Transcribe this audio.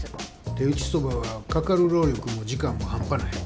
手打ち蕎麦はかかる労力も時間も半端ない。